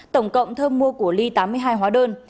tổng cộng thơm mua của ly tám mươi hai hóa đơn